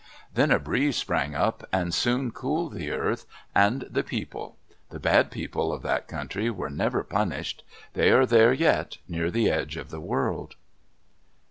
Then a breeze sprang up and soon cooled the earth and the people. The bad people of that country were never punished. They are there yet, near the edge of the earth.